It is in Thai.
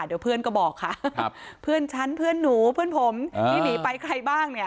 เดี๋ยวเพื่อนก็บอกค่ะเพื่อนฉันเพื่อนหนูเพื่อนผมที่หนีไปใครบ้างเนี่ย